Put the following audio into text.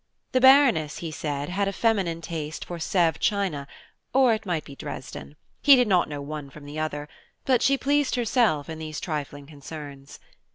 The Baroness, he said, had a feminine taste for Sèvres China or it might be Dresden; he did not know one from the other, but she pleased herself in those trifling concerns.